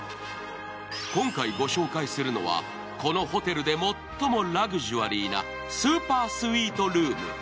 今回ご紹介するのはこのホテルで最もラグジュアリーなスーパースイートルーム。